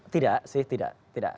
tidak sih tidak